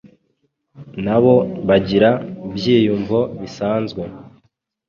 nabo bagira ibyiyumvo bisanzwe